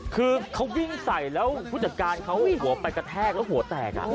คือเขาวิ่งใส่แล้วผู้จัดการเขาหัวไปกระแทกแล้วหัวแตก